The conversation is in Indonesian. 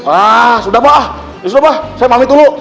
nah sudah mbah sudah mbah saya pamit dulu